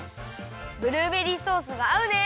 ブルーベリーソースがあうね。